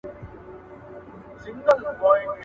د روغتیايي وسایلو کیفیت لوړ وي.